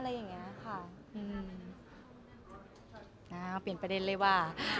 เปลี่ยนประเด็นเลยว่ะ